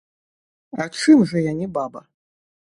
А чым жа я не баба?